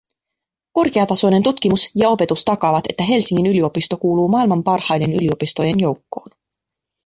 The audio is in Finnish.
Korkeatasoinen tutkimus ja opetus takaavat, että Helsingin yliopisto kuuluu maailman parhaiden yliopistojen joukkoon.